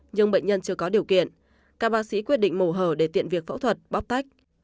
nhưng bệnh nhân chưa có điều kiện các bác sĩ quyết định mổ hở để tiện việc phẫu thuật bóc tách